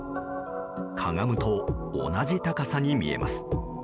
かがむと同じ高さに見えます。